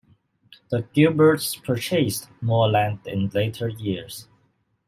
The Gilberts purchased more land in later years.